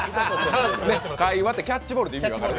会話ってキャッチボールって意味分かる？